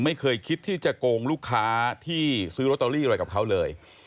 ไม่เคยคิดที่จะโกงลูกค้าที่ซื้อโรตเตอรี่อะไรกับเขาเลย